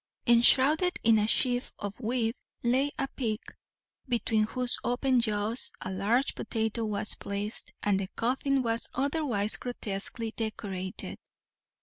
Enshrouded in a sheaf of wheat lay a pig, between whose open jaws a large potato was placed, and the coffin was otherwise grotesquely decorated.